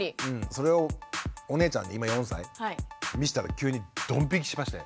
それをお姉ちゃんに今４歳見したら急にドン引きしまして。